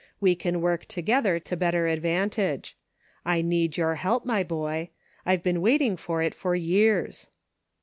We can work together to better advantage ; I need your help, my boy. I've been waiting for it for years."